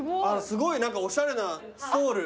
すごい何かおしゃれなストール。